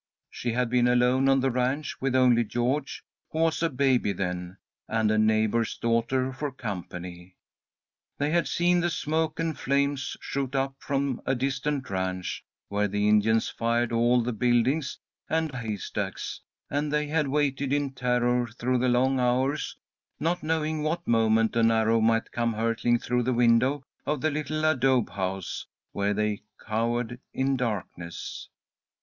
She had been alone on the ranch, with only George, who was a baby then, and a neighbour's daughter for company. They had seen the smoke and flames shoot up from a distant ranch, where the Indians fired all the buildings and haystacks; and they had waited in terror through the long hours, not knowing what moment an arrow might come hurtling through the window of the little adobe house, where they cowered in darkness.